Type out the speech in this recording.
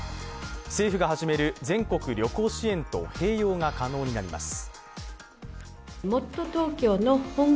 政府が始める全国旅行支援と併用が可能になります。